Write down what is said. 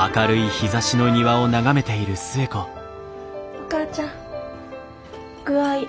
お母ちゃん具合どう？